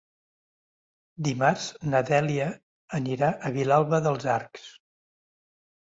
Dimarts na Dèlia anirà a Vilalba dels Arcs.